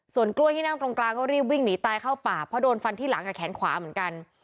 ส่วนกล้วยที่นั่งตรงกลางก็รีบวิ่งหนีตายเข้าป่าเพราะโดนฟันที่หลังกับแขนขวาเหมือนกัน